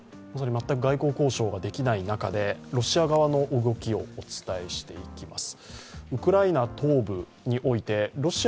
全く外交交渉ができない中でロシア側の動きをお伝えしていきます。